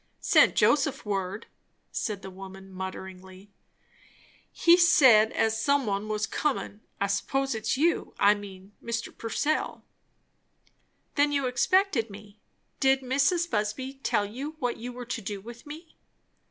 "Sent Joseph word " said the woman mutteringly. "He said as some one was comin'. I suppose it's you. I mean, Mr. Purcell." "Then you expected me. Did Mrs. Busby tell you what you were to do with me?"